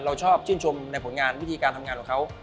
เราชอบชื่นชมในผลงานวิธีการทำงานของเขา